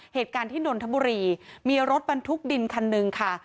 เหตุการณ์ที่นนทบุรีมีรถบรรทุกดินคันหนึ่งค่ะ